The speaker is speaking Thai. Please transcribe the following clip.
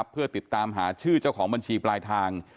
เพื่อติดตามหาชื่อเจ้าของบัญชีปลายทาง